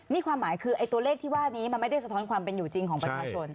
นี่ความหมายคือตัวเลขที่ว่านี้มันไม่ได้สะท้อนความเป็นอยู่จริงของประชาชน